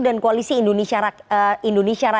dan koalisi indonesia raya